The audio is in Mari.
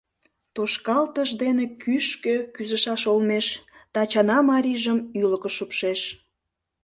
Тошкалтыш дене кӱшкӧ кӱзышаш олмеш Тачана марийжым ӱлыкӧ шупшеш.